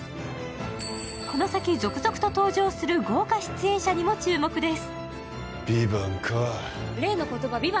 この先、続々と登場する豪華出演者にも注目です。